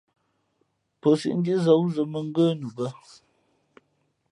Pō siʼ ndí zᾱ wúzᾱ mᾱ ngə́ nu bᾱ.